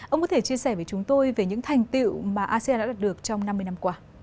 ông có thể chia sẻ với chúng tôi về những thành tiệu mà asean đã đạt được trong năm mươi năm qua